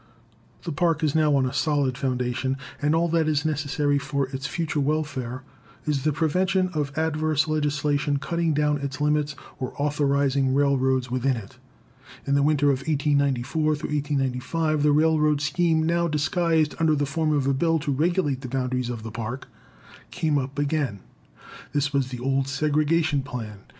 The Park is now on a solid foundation, and all that is necessary for its future welfare is the prevention of adverse legislation cutting down its limits or authorizing railroads within it. In the winter of 1894 95 the railroad scheme, now disguised under the form of a bill to regulate the boundaries of the Park, came up again. This was the old segregation plan.